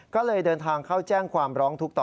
ก็เลยเดินทางเข้าแจ้งความร้องทุกข์ต่อ